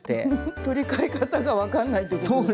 取り替え方が分かんないってことですね。